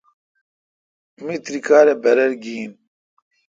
می تری کالہ برر گھن۔